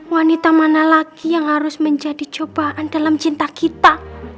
wanita mana lagi yang harus menjadi cobaan dalam cinta kita